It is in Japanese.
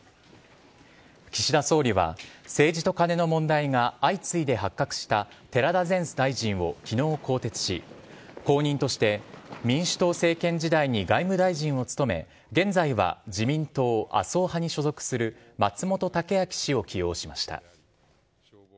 岸田総理は、政治とカネの問題が相次いで発覚した寺田前大臣をきのう更迭し、後任として民主党政権時代に外務大臣を務め、現在は自民党麻生派に所属する、松本剛明氏を起用しました。